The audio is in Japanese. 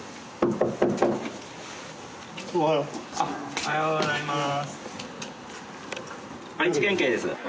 おはようございます。